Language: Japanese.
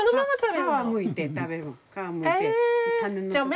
皮むいて食べるん。